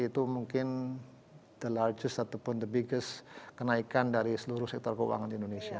itu mungkin the largest ataupun the biggest kenaikan dari seluruh sektor keuangan di indonesia